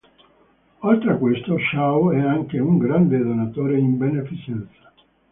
Oltre a questo, Shaw è anche un grande donatore in beneficenza.